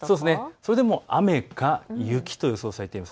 それでも雨か雪と予想されています。